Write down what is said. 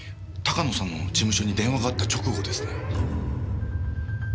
鷹野さんの事務所に電話があった直後ですね。